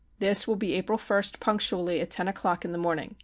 This will be April ist punctually at ten o'clock in the morning.